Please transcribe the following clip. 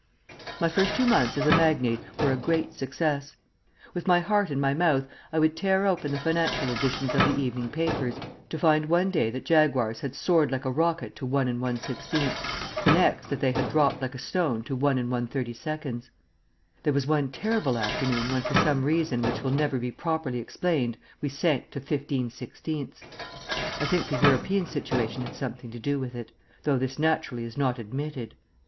My first two months as a magnate were a great success. With my heart in my mouth I would tear open the financial editions of the evening papers, to find one day that Jaguars had soared like a rocket to 1 1/16, the next that they had dropped like a stone to 1 1/32. There was one terrible afternoon when for some reason which will never be properly explained we sank to 15/16. I think the European situation had something to do with it, though this naturally is not admitted.